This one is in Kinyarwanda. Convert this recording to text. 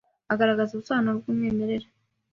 agaragaza ubusobanuro bwumwimerere